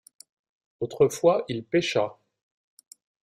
Autrefois il pêcha.